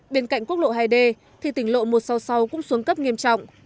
bên cạnh quốc lộ hai d thì tỉnh lộ một sáu cũng xuống cấp nghiêm trọng